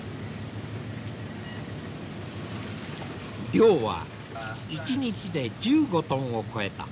漁は１日で１５トンを超えた。